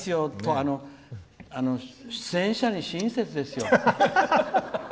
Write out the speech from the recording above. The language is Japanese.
出演者に親切ですよ。